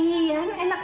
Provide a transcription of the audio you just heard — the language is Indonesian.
bapak baru bilangin